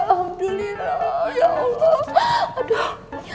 alhamdulillah ya allah